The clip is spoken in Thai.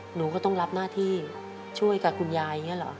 หนูก็ต้องรับหน้าที่ช่วยกับคุณยายอย่างนี้เหรอ